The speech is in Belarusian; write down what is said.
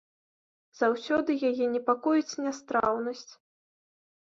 Заўсёды яе непакоіць нястраўнасць.